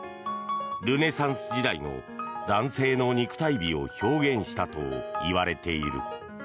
ルネサンス時代の男性の肉体美を表現したといわれている。